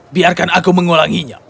biarkan aku mengulanginya